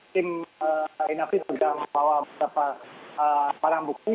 tim pin syafiq sudah membawa beberapa parang bukti